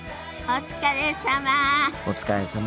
お疲れさま。